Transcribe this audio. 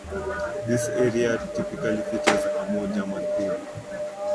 This area typically features a more German theme.